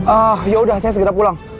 ah yaudah saya segera pulang